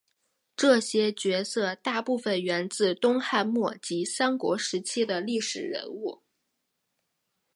这些角色大部份源自东汉末及三国时期的历史人物。